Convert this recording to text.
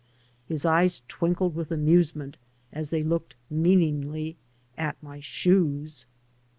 His eyes twinkled with amusement as they looked meaningly at my shoes.